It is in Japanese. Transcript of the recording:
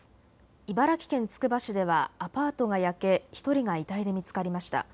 茨城県つくば市ではアパートが焼け１人が遺体で見つかりました。